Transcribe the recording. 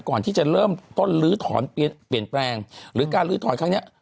ก่อนที่จะเริ่มต้นลื้อถอนเปลี่ยนแปลงหรือการลื้อถอนครั้งนี้